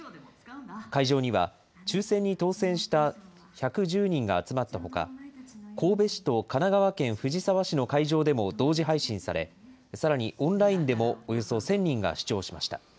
会場には抽せんに当せんした１１０人が集まったほか、神戸市と神奈川県藤沢市の会場でも同時配信され、さらにオンラインでもおよそ１０００人が視聴しました。